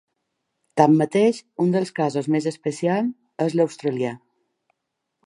Tanmateix, un dels casos més especials és l’australià.